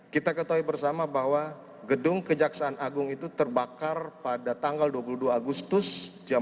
kita ketahui bersama bahwa gedung kejaksaan agung itu terbakar pada tanggal dua puluh dua agustus jam delapan belas lima belas